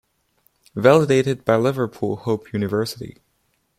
Validated by Liverpool Hope University.